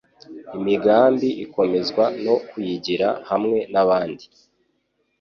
Imigambi ikomezwa no kuyigira hamwe n’abandi